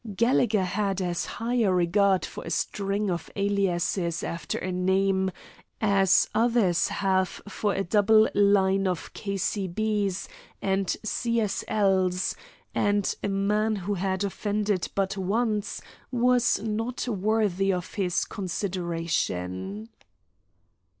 Gallegher had as high a regard for a string of aliases after a name as others have for a double line of K.C.B.'s and C.S.L.'s, and a man who had offended but once was not worthy of his consideration.